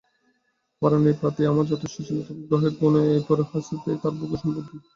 পারানির পাথেয় আমার যথেষ্ট ছিল, তবু গ্রহের গুণে এপারের হাজতেই আমার ভোগসমাপ্তি।